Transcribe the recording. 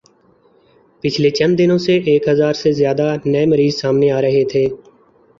پچھلے چند دنو ں سے ایک ہزار سے زیادہ نئے مریض سامنے آرہے تھے